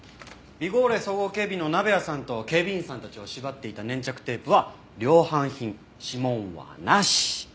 ビゴーレ総合警備の鍋谷さんと警備員さんたちを縛っていた粘着テープは量販品指紋はなし。